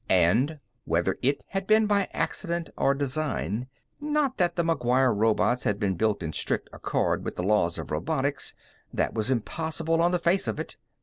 And whether it had been by accident or design. Not that the McGuire robots had been built in strict accord with the Laws of Robotics; that was impossible on the face of it.